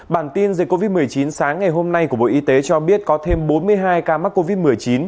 bản tin dịch covid một mươi chín sáng ngày hôm nay của bộ y tế cho biết có thêm bốn mươi hai ca mắc covid một mươi chín